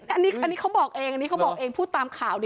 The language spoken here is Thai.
อันนี้เขาบอกเองอันนี้เขาบอกเองพูดตามข่าว